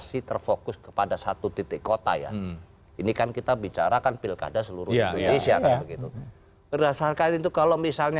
tidak ada popularitasnya